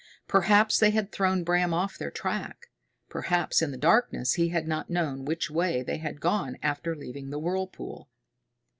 Perhaps they had thrown Bram off their track! Perhaps in the darkness he had not known which way they had gone after leaving the whirlpool!